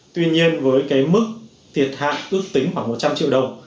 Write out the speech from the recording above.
tuy nhiên với cái mức thiệt hại ước tính khoảng một trăm linh triệu đồng